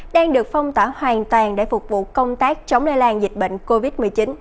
đang được phong tỏa hoàn toàn để phục vụ công tác chống lây lan dịch bệnh covid một mươi chín